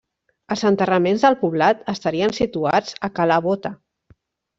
Els enterraments del poblat estarien situats a Cala Bota.